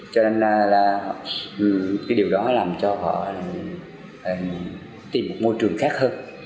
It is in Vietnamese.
cho nên là cái điều đó làm cho họ tìm một môi trường khác hơn